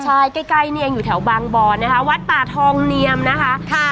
ใช่ใกล้เนียงอยู่แถวบางบอร์นะคะวัดป่าทองเนียมนะคะ